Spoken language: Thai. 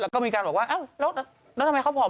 ก็มีการบอกว่าแต่ทำไมเขาผอม